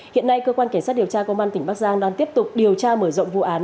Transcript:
hiện nay cơ quan cảnh sát điều tra công an tỉnh bắc giang đang tiếp tục điều tra mở rộng vụ án